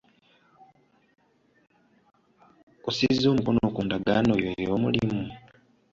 Osiza omukono ku ndagaano yo ey'omulimu?